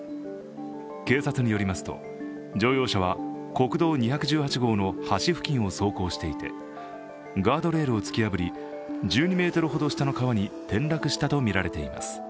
警察によりますと、乗用車は国道２１８号の橋付近を走行していてガードレールを突き破り１２ｍほど下の川に転落したとみられています。